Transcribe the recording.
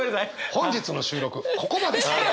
本日の収録ここまで。